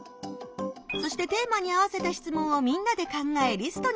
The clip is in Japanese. そしてテーマに合わせた質問をみんなで考えリストにしました。